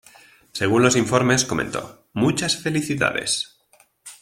Según los informes, comentó: "¡Muchas felicidades!